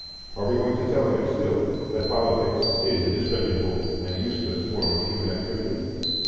Are we going to tell him still that politics is a disreputable and useless form of human activity?